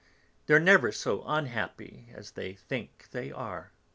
They're never so unhappy as they think they are."